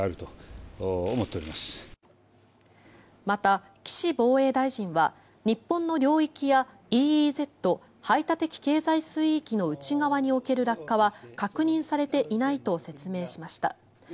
また、岸防衛大臣は日本の領域やＥＥＺ・排他的経済水域の内側における落下は確認されていないと説明しました。